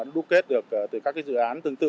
đã đúc kết được từ các cái dự án tương tự